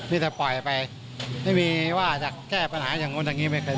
ที่จะปล่อยไปไม่มีว่าจะแก้ปัญหาอย่างนู้นอย่างนี้ไม่เป็น